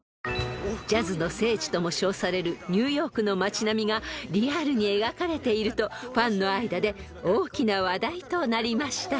［ジャズの聖地とも称されるニューヨークの街並みがリアルに描かれているとファンの間で大きな話題となりました］